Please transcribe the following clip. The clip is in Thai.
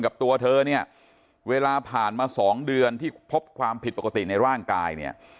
กับตัวเธอเนี่ยเวลาผ่านมาสองเดือนที่พบความผิดปกติในร่างกายเนี่ย